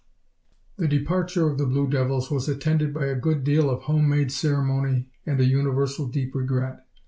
The departure of the Blue Devils was attended by a good deal of home made ceremony and a universal deep regret.